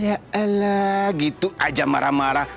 ya allah gitu aja marah marah